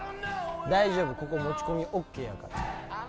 大丈夫、ここ持ち込みオッケーやから。